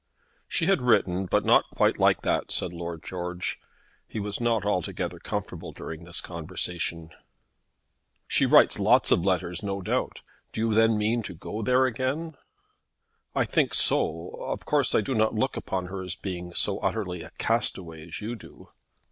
"She had written, but not quite like that," said Lord George. He was not altogether comfortable during this conversation. "She writes lots of such letters no doubt. You do then mean to go there again?" "I think so. Of course I do not look upon her as being so utterly a castaway as you do."